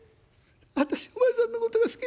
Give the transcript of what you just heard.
私お前さんのことが好き。